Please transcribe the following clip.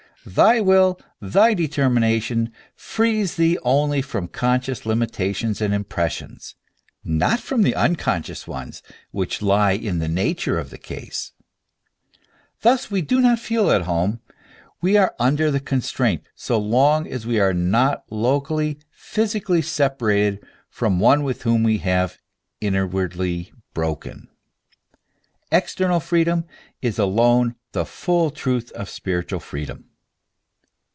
Thy will, thy determination, frees thee only from conscious limitations and impressions, not from the unconscious ones which lie in the nature of the case. Thus we do not feel at home, we are under constraint, so long as we are not locally, physically separated from one with whom we have inwardly broken. External freedom is alone the full truth of spiritual freedom.